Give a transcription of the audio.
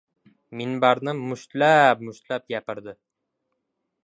Minbarni mushtlab-mushtlab gapirdi.